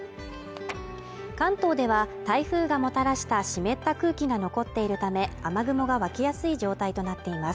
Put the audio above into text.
関東では台風がもたらした湿った空気が残っているため雨雲が湧きやすい状態となっています